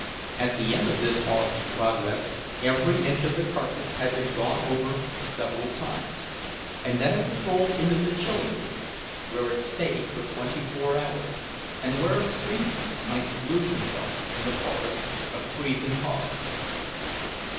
At the end of this hog's progress every inch of the carcass had been gone over several times; and then it was rolled into the chilling room, where it stayed for twenty four hours, and where a stranger might lose himself in a forest of freezing hogs.